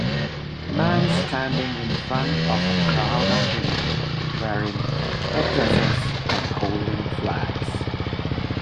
Man standing in front of a crowd of women wearing headdresses and holding flags.